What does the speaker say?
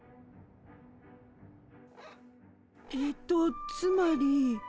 えとつまり。